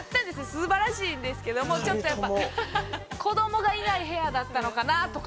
すばらしいんですけどもちょっとやっぱ子供がいない部屋だったのかなとか。